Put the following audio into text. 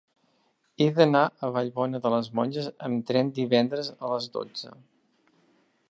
He d'anar a Vallbona de les Monges amb tren divendres a les dotze.